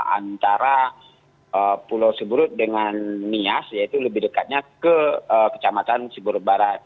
antara pulau siburut dengan nias yaitu lebih dekatnya ke kecamatan siburut barat